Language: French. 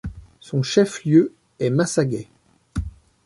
Son chef-lieu est Massaguet.